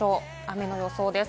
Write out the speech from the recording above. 雨の予想です。